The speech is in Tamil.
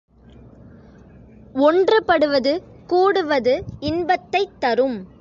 ஒன்றுபடுவது, கூடுவது, இன்பத்தைத் தரும்.